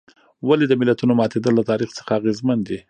ولې د ملتونو ماتېدل له تاریخ څخه اغېزمن دي.